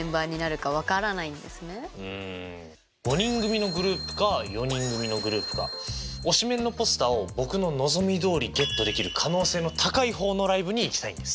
５人組のグループか４人組のグループか推しメンのポスターを僕の望みどおりゲットできる可能性の高い方のライブに行きたいんです。